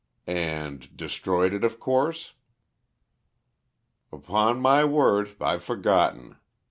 "And destroyed it, of course?" "Upon my word, I've forgotten.